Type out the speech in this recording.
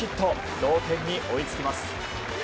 同点に追いつきます。